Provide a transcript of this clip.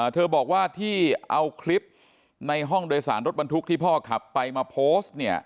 เธอบอกว่าที่เอาคลิปในห้องโดยสารรถบรรทุกที่พ่อขับไปมาโพสต์เนี่ย